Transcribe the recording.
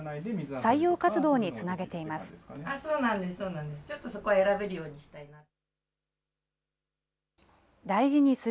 採用活動につなげています。